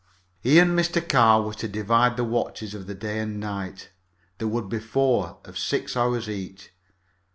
He and Mr. Carr were to divide the watches of the day and night. There would be four, of six hours each.